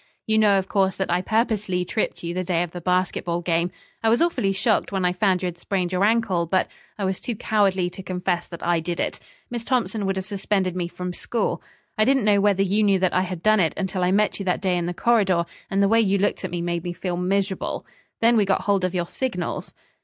"You know, of course, that I purposely tripped you the day of the basketball game. I was awfully shocked when I found you had sprained your ankle, but I was too cowardly to confess that I did it. Miss Thompson would have suspended me from school. I didn't know whether you knew that I had done it until I met you that day in the corridor, and the way you looked at me made me feel miserable. Then we got hold of your signals."